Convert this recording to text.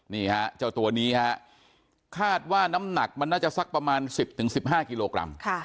นี่ฮะเจ้าตัวนี้ฮะคาดว่าน้ำหนักมันน่าจะสักประมาณ๑๐๑๕กิโลกรัม